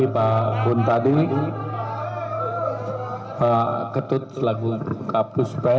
beliau kami atau sama punya pribadi